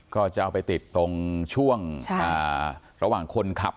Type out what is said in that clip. ก็จะเอาไปติดตรงช่วงระหว่างคนขับ